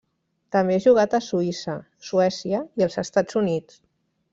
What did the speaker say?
També ha jugat a Suïssa, Suècia i els Estats Units.